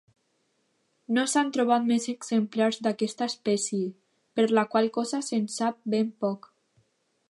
No s'han trobat més exemplars d'aquesta espècie, per la qual cosa se'n sap ben poc.